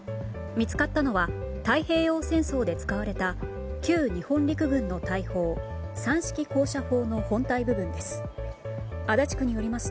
見つかったのは太平洋戦争で使われた旧日本陸軍の大砲三式高射砲の本体部分です。